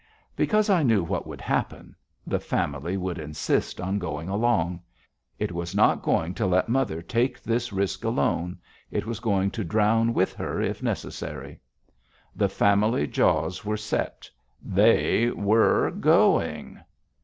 Because I knew what would happen. The Family would insist on going along. It was not going to let mother take this risk alone; it was going to drown with her if necessary. The Family jaws were set. _They were going.